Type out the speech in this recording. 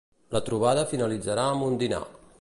La trobada finalitzarà amb un dinar.